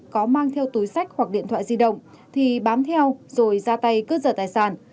có mang theo túi sách hoặc điện thoại di động thì bám theo rồi ra tay cướp giật tài sản